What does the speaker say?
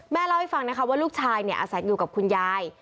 เล่าให้ฟังนะคะว่าลูกชายอาศัยอยู่กับคุณยาย